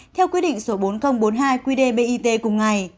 theo quyết định số bốn nghìn bốn mươi hai qd bit cùng ngày